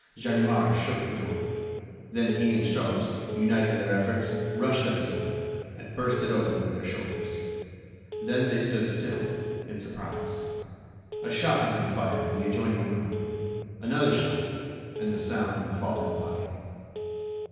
Ganimard shook the door. Then he and Sholmes, uniting their efforts, rushed at the door, and burst it open with their shoulders. Then they stood still, in surprise. A shot had been fired in the adjoining room. Another shot, and the sound of a falling body.